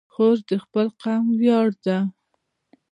خور د خپل قوم ویاړ ده.